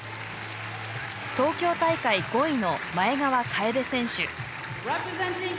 東京大会５位の前川楓選手。